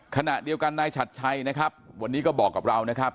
ขณะเดียวกันนายชัดชัยนะครับวันนี้ก็บอกกับเรานะครับ